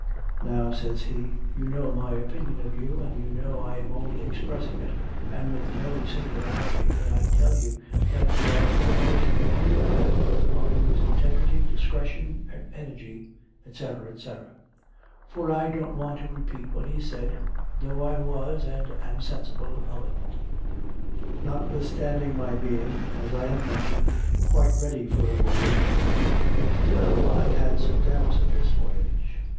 Now," says he, "you know my opinion of you, and you know I am only expressing it, and with no singularity, when I tell you that you are almost the only man on whose integrity, discretion, and energy " &c., &c. For, I don't want to repeat what he said, though I was and am sensible of it. Notwithstanding my being, as I have mentioned, quite ready for a voyage, still I had some doubts of this voyage.